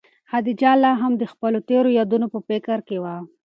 خدیجه لا هم د خپلو تېرو یادونو په فکر کې وه.